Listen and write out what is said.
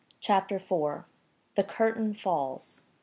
CHAPTER IV. THE CURTAIN FALLS.